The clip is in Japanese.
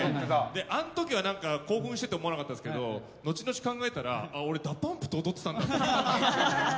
あの時は興奮してて思わなかったですけど後々考えたら俺、ＤＡＰＵＭＰと踊ってたんだって。